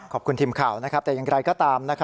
ขอบคุณทีมข่าวแต่อย่างไรก็ตาม